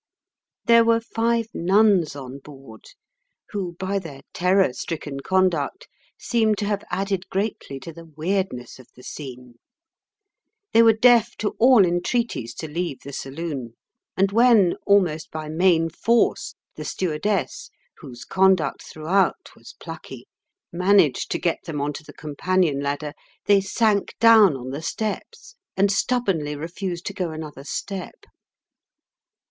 There were five nuns on board who, by their terror stricken conduct, seem to have added greatly to the weirdness of the scene. They were deaf to all entreaties to leave the saloon, and when, almost by main force, the stewardess (whose conduct throughout was plucky) managed to get them on to the companion ladder, they sank down on the steps and stubbornly refused to go another step.